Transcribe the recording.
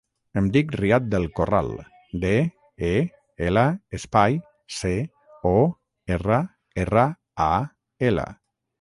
Em dic Riad Del Corral: de, e, ela, espai, ce, o, erra, erra, a, ela.